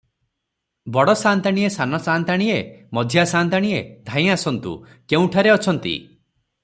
"ବଡ଼ ସାଆନ୍ତାଣୀଏ ସାନ ସାଆନ୍ତାଣୀଏ, ମଝିଆଁ ସାଆନ୍ତାଣୀଏ, ଧାଇଁ ଆସନ୍ତୁ, କେଉଁଠାରେ ଅଛନ୍ତି?